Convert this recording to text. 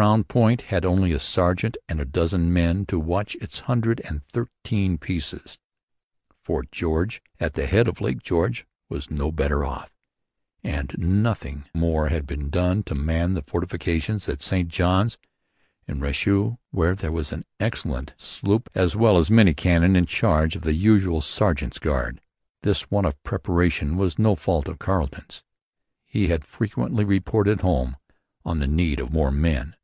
Crown Point had only a sergeant and a dozen men to watch its hundred and thirteen pieces. Fort George, at the head of Lake George, was no better off; and nothing more had been done to man the fortifications at St Johns on the Richelieu, where there was an excellent sloop as well as many cannon in charge of the usual sergeant's guard. This want of preparation was no fault of Carleton's. He had frequently reported home on the need of more men.